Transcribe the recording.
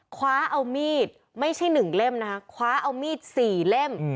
คว้าเอามีดไม่ใช่หนึ่งเล่มนะคะคว้าเอามีดสี่เล่ม